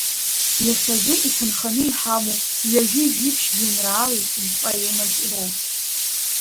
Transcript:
Иахьазы иҭынханы иҳамоу ҩажәи жәиԥшь жәеинраалеи жәпоемаки роуп.